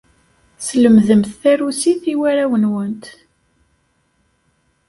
Teslemdemt tarusit i warraw-nwent.